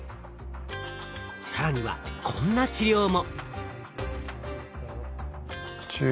更にはこんな治療も。